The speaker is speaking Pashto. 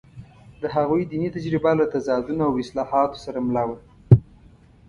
د هغوی دیني تجربه له تضادونو او اصلاحاتو سره مله وه.